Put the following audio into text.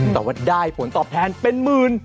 แต่ว่าได้ผลตอบแทนเป็นหมื่น